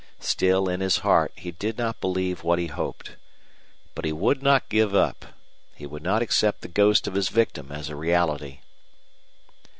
Still in his heart he did not believe what he hoped. But he would not give up; he would not accept the ghost of his victim as a reality.